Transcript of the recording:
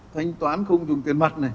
thanh toán không dùng tiền mặt